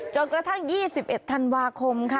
จนกระทั่ง๒๑ธันวาคมค่ะ